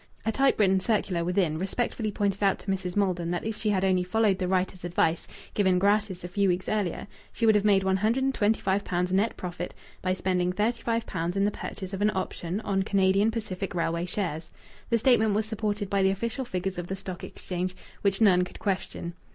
A typewritten circular within respectfully pointed out to Mrs. Maldon that if she had only followed the writers' advice, given gratis a few weeks earlier, she would have made one hundred and twenty five pounds net profit by spending thirty five pounds in the purchase of an option on Canadian Pacific Railway shares. The statement was supported by the official figures of the Stock Exchange, which none could question.